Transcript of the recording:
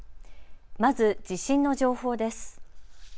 まず地震の情報です。